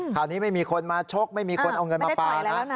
ไม่มีคนมาชกไม่มีคนเอาเงินมาปลานะ